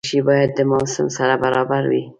دریشي باید د موسم سره برابره وي.